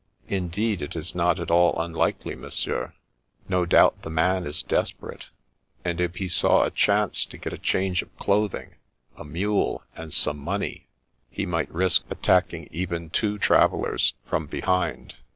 " Indeed, it is not at all unlikely. Monsieur. No doubt the man is desperate, and if he saw a chance to get a change of clothing, a mule, and some money, he might risk attacking even two travellers, from behind.